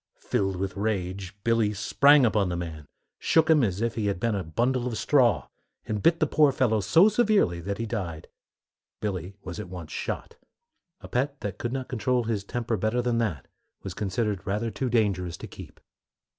Filled with rage, Billy sprang upon the man, shook him as if he had been a bundle of straw, and bit the poor fellow so severely that he died. Billy was at once shot. A pet that could not control his temper better than that was considered rather too dangerous to keep.